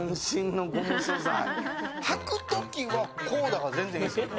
はくときは、こうだから全然いいですよね。